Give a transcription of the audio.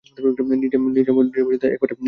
নিজাম এক পট চা এনে রাখল।